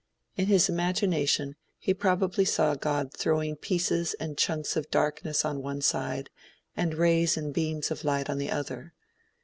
In his imagination he probably saw God throwing pieces and chunks of darkness on one side, and rays and beams of light on the other.